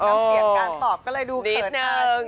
เสียบการตอบก็เลยดูเขินอาจนิดหนึ่ง